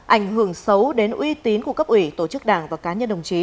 ảnh hưởng xấu đến uy tín của cấp ủy tổ chức đảng và cá nhân đồng chí